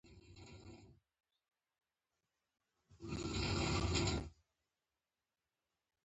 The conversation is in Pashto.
کور هغه ځای دی چې هلته انسان باید ارام ومومي.